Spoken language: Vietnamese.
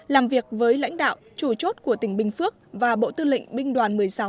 làm việc với lãnh đạo chủ chốt của tỉnh bình phước và bộ tư lệnh binh đoàn một mươi sáu